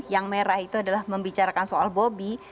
yang merah itu adalah membicarakan soal bobi